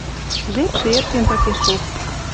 Жепшӹ эртен такешок!